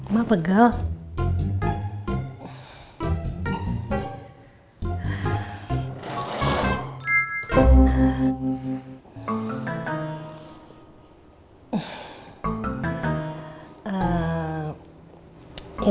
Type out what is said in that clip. sampai jumpa di video selanjutnya